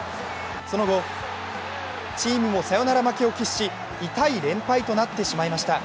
その後、チームもサヨナラ負けを喫し痛い連敗となってしまいました。